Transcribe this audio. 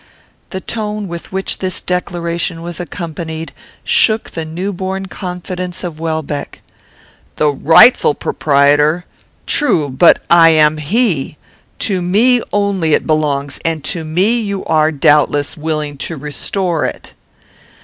The tone with which this declaration was accompanied shook the new born confidence of Welbeck. "The rightful proprietor! true, but I am he. To me only it belongs, and to me you are, doubtless, willing to restore it."